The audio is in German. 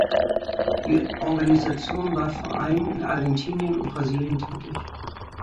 Die Organisation war vor allem in Argentinien und Brasilien tätig.